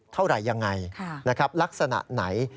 เท่าไรยังไงลักษณะไหน